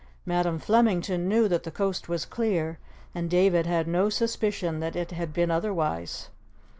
Madam Flemington knew that the coast was clear, and David had no suspicion that it had been otherwise.